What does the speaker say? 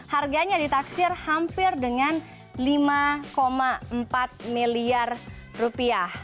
harganya ditaksir hampir dengan lima empat miliar rupiah